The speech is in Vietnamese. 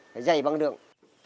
phải dạy bằng đường